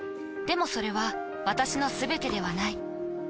でもそれは私のすべてではない。